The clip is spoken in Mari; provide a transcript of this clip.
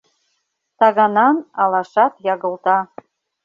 Таганан алашат ягылта.